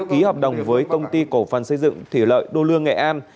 ký hợp đồng với công ty cổ phần xây dựng thủy lợi đô lương nghệ an